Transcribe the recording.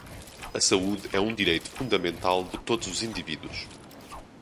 A saúde é um direito fundamental de todos os indivíduos.